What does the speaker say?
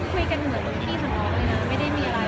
ก็ดีใจมากที่ที่เค้าดูกดีกว่าความสุข